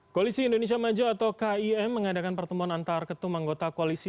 koalisi indonesia maju atau kim mengadakan pertemuan antar ketum anggota koalisi